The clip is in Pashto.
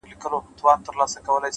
o و خوږ زړگي ته مي،